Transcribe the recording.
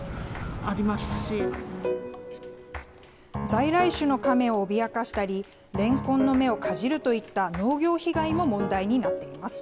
在来種のカメを脅かしたり、レンコンの芽をかじるといった農業被害も問題になっています。